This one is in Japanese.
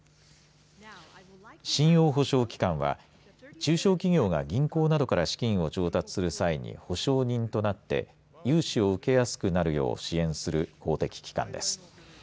信用保証機関は中小企業が銀行などから資金を調達する際に保証人となって融資を受けやすくなるよう支援する公的機関です。